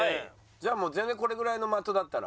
じゃあ全然これぐらいの的だったら。